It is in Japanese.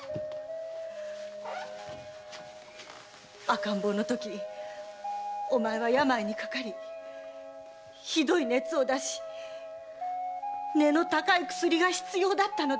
赤ん坊のときお前は病にかかりひどい熱を出し値の高い薬が必要だったのです。